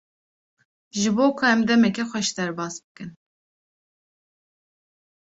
Ji bo ku em demeke xweş derbas bikin.